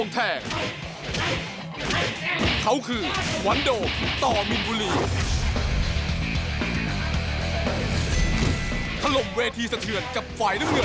ทะลมเวทีสะเทือนกับฝ่ายน้ำเหลือ